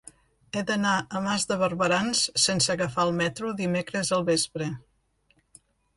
He d'anar a Mas de Barberans sense agafar el metro dimecres al vespre.